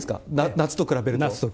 夏と比べると。